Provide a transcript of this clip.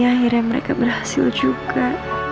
akhirnya mereka berhasil juga